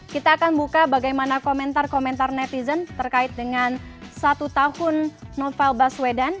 kita akan buka bagaimana komentar komentar netizen terkait dengan satu tahun novel baswedan